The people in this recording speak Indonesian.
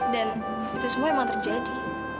dan itu semua emang terjadi